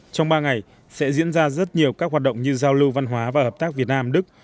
trong ba ngày sẽ diễn ra rất nhiều các hoạt động như giao lưu văn hóa và hợp tác việt nam đức